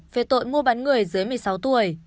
về tội mua bán người dưới một mươi sáu tuổi